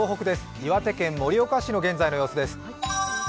岩手県盛岡市の現在の様子です。